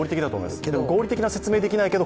でも合理的な説明はできないけど